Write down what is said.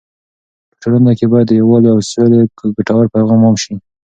په ټولنه کې باید د یووالي او سولې ګټور پیغام عام سي.